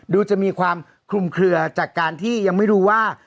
ดูจะมีความคลุมเคลือจากการที่ยังไม่รู้ว่า